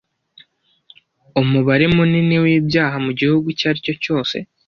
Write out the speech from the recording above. Umubare munini w'ibyaha mu gihugu icyo ari cyo cyose